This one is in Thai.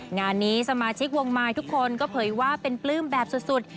งานนี้สมาชิกวงมายทุกคนก็เผยว่าเป็นปลื้มแบบสุด